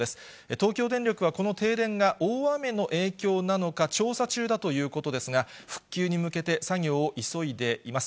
東京電力はこの停電が、大雨の影響なのか調査中だということですが、復旧に向けて作業を急いでいます。